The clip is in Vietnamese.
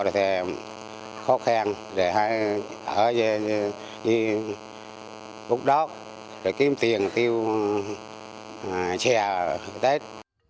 còn khó khăn để hơi đi bút đốt để kiếm tiền tiêu chè tết